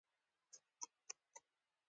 ما وویل چې شاید دا کومه ناروغي وي.